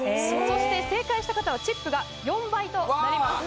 そして正解した方はチップが４倍となります